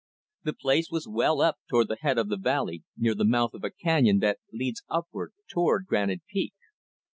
The place was well up toward the head of the valley, near the mouth of a canyon that leads upward toward Granite Peak.